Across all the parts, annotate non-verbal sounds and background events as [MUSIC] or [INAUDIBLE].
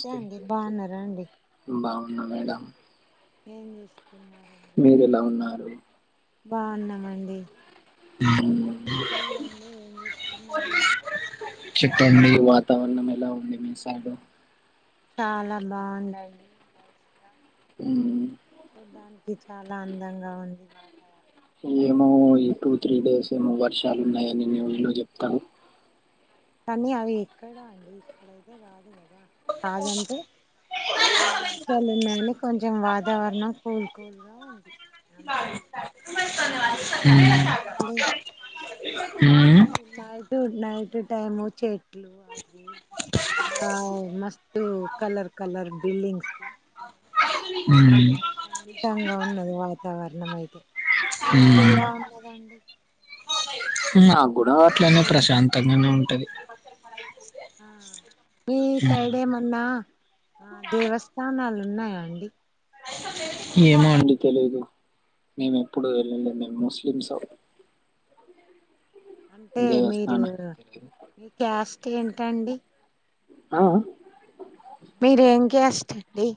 చే అండి బావునార అండి. వున్న మేడం ఏం చేస్ మీరేలా ఉన్నారు? బావున్నామండి హ్మ్ మీరండి ఏం చేస్తున్నారండి. చెప్పండి వాతావరణం ఎలా ఉంది. మీసైడు? చాలా బావుందాండి మ్మ్. చూడ్డానికి చాలా అందంగా ఉంది. వాతావరణం ఏమో కదా ఈ టూ త్రీ డేస్ ఏమో వర్షాలు, ఉన్నయాని న్యూస్ల్లు చెప్తారూ. కానీ అవి ఎక్కడా అండి. ఇక్కడయితే కాదు గాద. కాదంటే అవి వర్షాలు ఉన్నాయి నీక్ కొంచెం వాతావరణం కూల్ కూల్గా ఉంది [UNINTELLIGIBLE] అంతే దుమ్ము లేతంది గాదె ఇంకా అండి ఈ నైట్ నైట్ టైము చెట్ వావ్ మస్త్ కలర్ కలర్ బిల్డింగ్స్ ఉ మ్మ్. చాలా ప్రశాంతంగా ఉన్నది వాతావరణం అయితే మ్మ్. మీకెలా ఉ ంది నా గూడ అట్లనే ప్రశాంతంగానే ఉంటది ఆ మీ మ్మ్. సైడ్ ఏమన్న ఆ దేవస్థానాలు ఉన్నాయా అండి ఏమో అండి తెలీదు మేము ఎప్పుడు వెళ్ళలే మేము ముస్లిమ్సు అంటే మీరు దేవస్థానాలకు తెలియదు మీ క్యాస్ట్ ఏంటండి ఆ ఆ మీరేం కాస్ట్ అండీ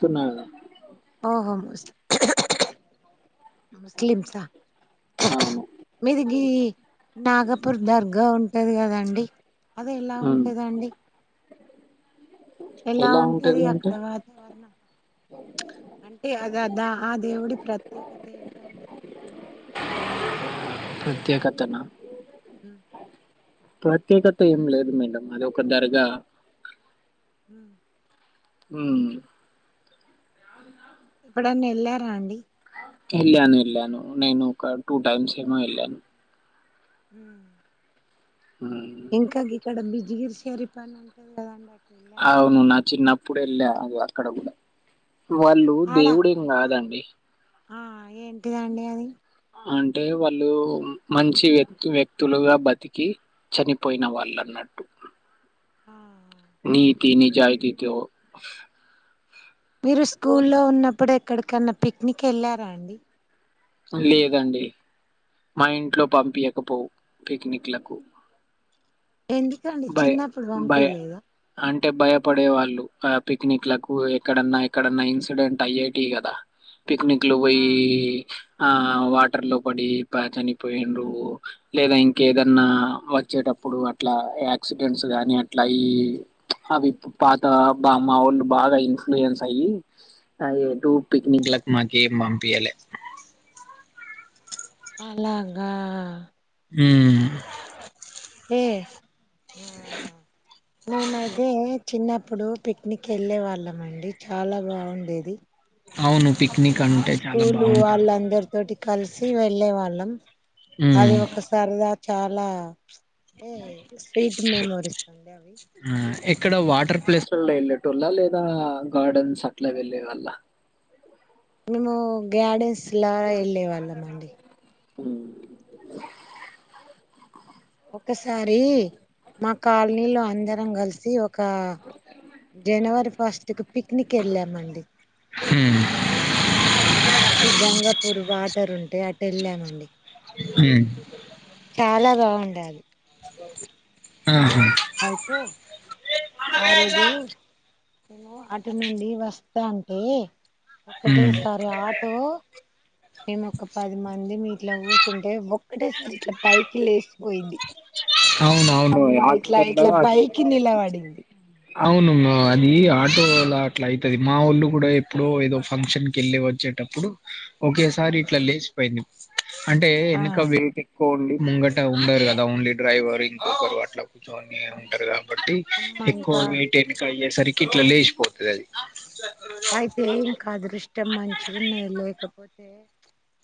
తిన్నార ఓహో ముస్ ముస్లిమ్సా అవును మీది నీ నాగపూర్ దర్గా ఉన్ లేదు కదండి అదే ఎలా ఉమ్. ఉంటదండి ఎలా ఉంటది అక్కడ వాతావరణం ప్చ్ అంటే అది దా ఆ దేవుడి ప్రత్యేకత ఏంటండి ప్రత్యేకతన ఉ ప్రత్యేకత ఏం లేదు మేడమ్ అది ఒక దర్గా ఉ ఊ ఎప్పుడన్న ఎళ్ళారా అండి వెళ్ళాను వెళ్ళాను నేను ఒక టూ టైమ్స్ ఏమో వెళ్ళాను ఊ ఉమ్. ఇంకా గిక్కడ బిజిగిరి షరిప్ అని ఉంటది కదండి అట్ అవును నా చిన్నపుడు ఎల్ల అక్కడ కూడా వాళ్ళు ఆడా దేవుడేం ఆ కాదండి ఆ ఏంటిదండి అది అంటే వాళ్ళు మంచి వ్యక్తి వ్యక్తులుగా బతికి చనిపోయిన వాళ్ళన్నట్టు ఆ నీతి నిజాయితీ తో మీరు స్కూల్లో ఉన్నప్పుడు ఎక్కడికన్నా పిక్నిక్ వెళ్ళారా అండి లేదండి మా ఇంట్లో పంపింయకపోవు పిక్నిక్లకు ఎందుకండి భయ చిన్నప్పుడు భయ పంపియలేదా అంటే భయపడే వాళ్ళు ఆ పిక్నిక్ లకు ఎక్కడన్నా ఎక్కడన్నా ఇన్సిడెంట్ అయ్యేటి కదా పక్నిక్ లు ఒయి ఆ ఆ వాటర్ లో పడి ప చనిపోయిండ్రు లేదా ఇంకేదన్నా వచ్చేటప్ ప్పుడు అట్లా యా ఆక్సిడెంట్స్ గానీ అట్లయి అవి ఇపు పాత బా మావోలు బాగా ఇన్ఫ్లుయెన్స్ అయి అదే టు పిక్నిక్ లకు మాకి ఏం బంపియలే అలాగా ఊ ఏ మీమాతే చిన్నప్పుడు పిక్నిక్ వెళ్ళే వాళ్ళం అండి చాలా బాగుండేది అవును ఆ పిక్నిక్ మా అంటే చాలా స్కూలు బాగుంటది వాళ్ళ అందరి తోటి కలిసి వెళ్ళే వాళ్ళం అది ఉమ్ ఒకసారిదా చాలా ఏ స్వీట్ మెమోరిీస్ అడి అవి ఆ ఇక్కడ వాటర్ ప్లేస్లలో వెళ్ళేటల్ళ లేదా గార్డెన్స్ అట్లా వెళ్ళే వాల్ళ మేము గార్డెన్స్ లా వెళ్ళే వాళ్ళం అండి ఉ ఒకసారి మా కాలనీలో అందరం కలిసి ఒక జనవరి ఫస్ట్ కి పిక్నిక్ వెళ్ళామండి. అటు గంగాపూర్ వాటర్ ఉంటే అటు వెళ్ళామండి. ఉ చాలా బాగుండది. ఆ అయితే ఆ రోజు మేము అటు నుండి వస్తా అంటే ఒకటే ఉమ్ సారి ఆటో మేము ఒక పది మంది మీ ఇట్లా కూస్తుంటే ఒక్కటేసారి ఇట్లా పైకి లేసిపోయింది. అవును అవును అమ్మా ఇట్లా ఇట్లా పైకి నిలబడింది, అవును అది ఆటోళ అట్లా అయితది మా ఒళ్ళు కూడా ఎప్పుడో ఏదో ఫంక్షన్ కి వెళ్ళి వచ్చే ప్పుడు ఒకేసారి ఆ ఇట్లా లేచిపోయింది అంటే ఆ ఎనక వెయిటి ఓన్లీ ముంగట ఉండరు కదా ఓన్లీ డ్రైవర్ ఇంకొకరు అట్లా జోనీ ఉంటారు కాబట్టి అమ్మ ఎక్కువ ఇంకా వెయిట్ ఎన్నిక అయ్యే సరికి ఇట్లో లేచిపోతుంది అది అయితే ఇంక అదుృష్టం మంచి ఉన్న లేకపోతే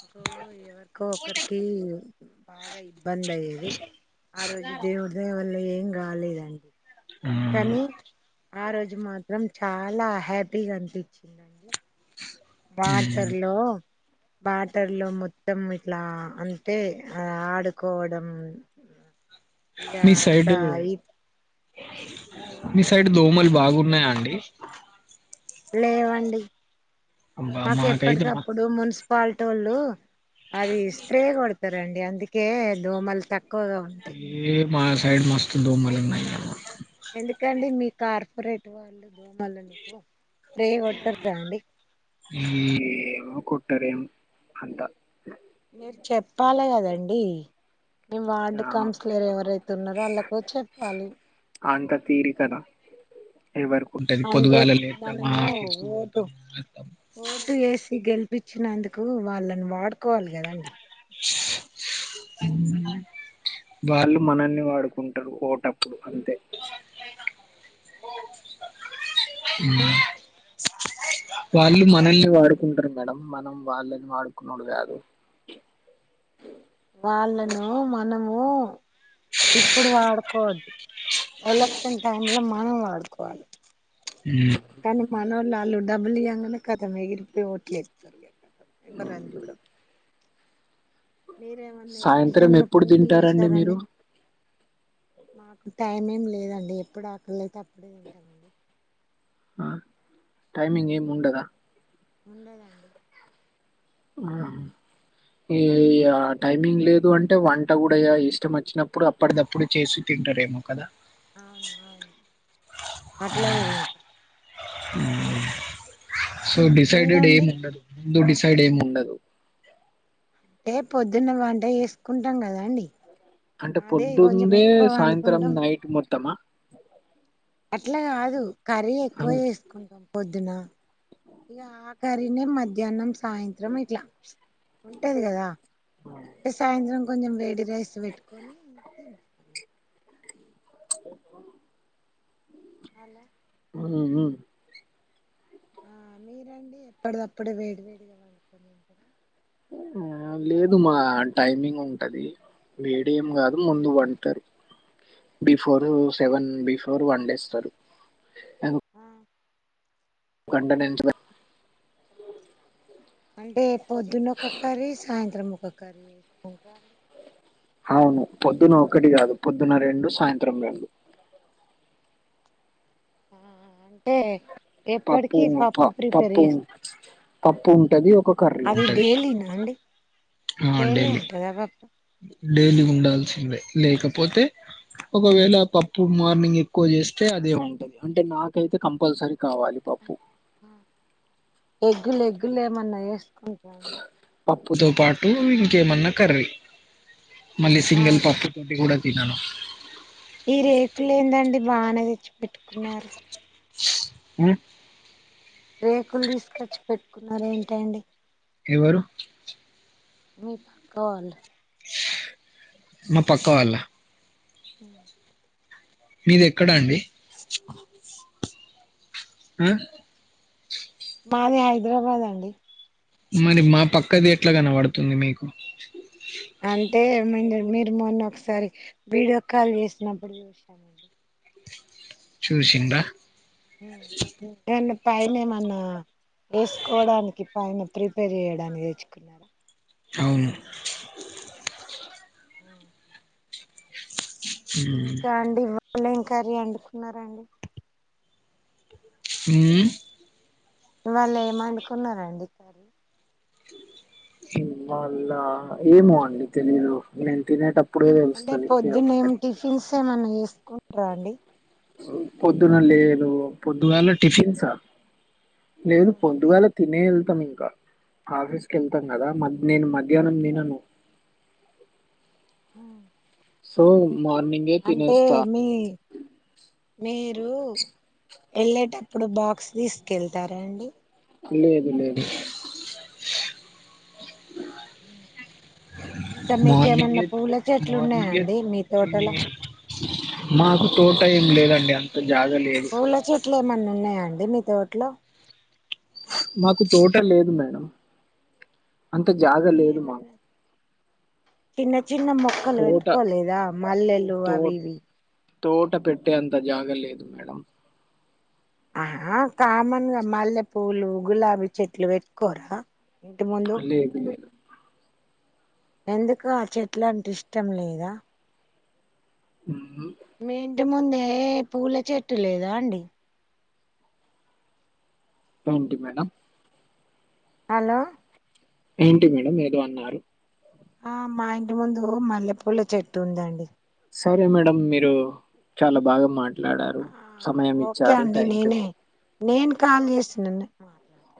ఒకకు ఎవరికో ఒకరికి బాగా ఇబ బంద్ అయ్యేది ఆ రోజు దేవుడి దయ వల్ల ఏం కాలేదండి ఉమ్ కానీ ఆ రోజు మాత్రం చాలా హ్యాపీగా అనిపించిందండి. బాటరల్లో బాటర్ల్లో మొత్తం ఇట్లా అంటే ఆడుకోవడం, [UNINTELLIGIBLE] ఇగా మీ సైడ్ అంతా ఆయి మీ సైడ్ దోమలు చెప్ప బాగున్నాయా అండి లేవండి అబ్బా మాకు మాకైతే మ ఎప్పటికప్పుడు మున్సి మున్సి పల్టోళ్ళు అది స్ప్రే కొడతారంండి అందుకే దోమలు తక్కు ఏ మా సైడ్ మస్తు దోమలున్నాయ్ కార్పొరట్ వాళ్ళ దోమలుకు ఏ కొట్టరం అంతా మీరు చెప్పాలి కదండి మీ వార్డు ఆ కౌన్సిలర్ ఎవరైతే ఉన్నారో వాళ్ళకు చెప్పాలి, అంత తీరికనా ఎవరికి ఉంటది అంటే పొదుగాల లేత్తామా మనము ఆఫీస్ కు ఓటు పోతాం వస్తాం ఓటు వేసి గెళ్ చపించినందుకు వాళ్ళని వాడుకోవాలి కదండి [UNINTELLIGIBLE] వాళ్ళు మనని వాడుకుంటారు టప్పుడు అంతే ఉ వాళ్ళు మనల్ని వాడుకుంటారు మేడం మనం వాళ్ళని వాడుకున్నా కాదు వాళ్ళను మనము ఇప్పుడు వాడుకోవద్దు ఎలక్షన్ టైమ్ లో మనం వాడుకోవాలి. కానీ మన వాళ్ళు వాళ్ళు డబ్బులు ఇ్యంగానే కదా ఎగిరిపోయి ఓట్లేస్తారు కద ఎవరు వద్దులే మీరేమన్నా సాయంత్రం ఎలెక్షన్లకు ఎప్పుడు పోటీ తింటారండి మీరు చేసారండి. మాకు టైం ఏం లేదండి ఎప్పుడు ఆకలితే అప్పుడే తింటామండి. ఆ టైమింగ్ ఏముండద ఉండేదండి మీకు టైమింగ్ లేదు ఎ అంటే వంట కూడా ఇష్టం వచ్చినప్పుడు అప్పటిదప్పుడు చేసి తింటారేమో కదా అవును అవును అట్లా తింటాం సో డిసైడడ్ మీరండి ఏంట ఎందుకు డిసైడ్ ఏం ఉండదు అంటే పొద్దున్న వంట చేసుకుంటాం కదా అండి అంటే అదే కొంచెం పొద్దుందే ఎక్కువ సాయంత్రం వండుకుంటాం నైట్ మొత్తమా అట్లా కాదు కర్రీ ఎక్కువ హ్మ్. చేసుకుంటాం పొద్దున ఇక కర్రీనే మధ్యాహ్నం సాయంత్రం ఇట్లా ఉంటది కదా సాయంత్రం కొంచెం వేడి రైస్ పెట్టుకొని ఓ హలో ఉ ఆ మీరండి ఎప్పటిదప్పుడు వేడి వేడిగా వాడుకని ఉంటదా ఆ లేదు మా టైమింగ్ ఉంటది వేడేం కాదు ముందు తింటారా వంటారు before seven before one day ఇస్తారు ఆ వండనంటవ అంటే పొద్దున్న ఒక కర్రీ సాయంత్రం ఒక కర్రీ వేసుకుంటర అవును పొద్దున ఒకక్కటి కాదు పొద్దున రెండు సాయంత్రం రెండు ఆ అంటే పప్పు ఎప్పటికి ప పప్పు ప్రిపేర్ పప్పు చేస్త పప్పు ఉంటది ఒక కర్రీ అది ఉంటది డైలీనా అండి డైలీ ఉంటుందా పప్పు డైలీ ఉండాల్సిందే లేకపోతే ఒకవేళ పప్పు మార్నింగ్ ఎక్కువ చేస్తే అదే ఉంటది అంటే నాకైతే కంపల్సరీ కావాలి పప్పు ఎగ్గులు ఎగ్గులు ఏమన్నా వేసుకుంటర పప్పుతో పాటు ఇంకేమన్నా కర్రీ మళ్ళీ ఆ సింగిల్ పప్పు కూడా వినాను ఈ రేకులు ఏందండి బాగానే తెచ్చి పెట్టుకున్నారు ఉ రేకులు తీసుకొచ్చి పెట్టుకున్నారు ఏంటండి ఎవరు మీ పక్క వాళ్లు మా పక్క వాళ్ళ ఉ మీది ఎక్కడా అండి ఆ మాది హైదరాబాద్ అండి మరి మా పక్కది ఎట్లా కనపడుతుంది మీకు అంటే మీ మీరు మొన్న ఒకసారి వీడియో కాల్ చేసినప్పుడు చూసానండి చూసిందా ఇవన్న పైన మన వేసుకోవడానికి పైన రీపేర్ చేయడానికి తెచ్చుకున్నారు అవును ఉ ఇంకా ఉమ్ అండి ఇవాళ ఏం కర్రీ అడుకున్నారండి ఉమ్ వాళ్ళు ఏమండుకున్నారండి ఉమ్ వాళ్ళ ఏమో అండి తెలీదు నేను తినేటప్పు అంటే పొద్దున్న ఏమి టిఫిన్స్ ఏమన్నా చేసుకుంటార అండి పొద్దున లేదు పొద్దుగాల టిఫిన్స లేదు పొద్దుగాల తినే వెళ్తాము ఇంకా ఆఫీస్కి వెళ్తాం కదా మ నేను మధ్యాహ్నం తినను హ సో మార్నింగే అంటే తినేస్తా మీ మీరు యేళ్ళేటప్పుడు బాక్స్ తీసుకెళ్తారా అండి లేదు లేదు హ ఇంకా మీకేమన్నా మార్నింగే పూల చెట్లు ఉన్నాయా మార్నింగే అండి మీ తోటల తిని మాకు తోట ఏం లేదండి అంత జాగా లేదు పూల చెట్లు ఏమన్నా ఉన్నాయా అండి మీ తోటలో మాకు తోట లేదు మేడం అంత జాగ లేదు ఏమన్నా మాకు చిన్న చిన్న మొక్కలు తోట పెట్టుకోలేదా మల్లెలు తో అవి ఇవి తోట పెట్టే అంత జాగ లేదు మేడం ఆ కామన్ గా మల్లె పూవలు గులాబీ చెట్లు పెట్కోరా అ లేదు లేదు ఎందుకు ఆ చెట్ల అంటే ఇష్టం లేదా మ్మ్. మీ ఇంటి ముందే పూల చెట్టు లేదా అండి ఏంటి మేడం హలో ఏంటి మేడం ఏదో అన్నారు ఆ మా ఇంటి ముందు మల్లెపూల్ల చెట్టు ఉందండి సారీ మేడం మీరు చాలా బాగా మాట ఆ ఓకే అండి యూ నేనే నేను కాల్ చేసి నన్నే మాట్లాడ్